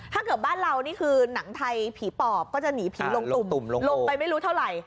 ถ้าเกิดบ้านเรานี่คือหนังไทยผีปอบก็จะหนีผีลงตุ่มลงไปไม่รู้เท่าไหร่